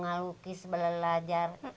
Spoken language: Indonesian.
saya sudah belajar lukis